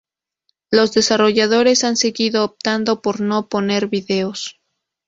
Los desarrolladores han seguido optando por no poner vídeos.